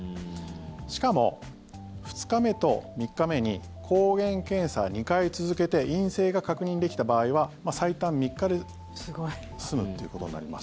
しかも、２日目と３日目に抗原検査、２回続けて陰性が確認できた場合は最短３日間で済むということになります。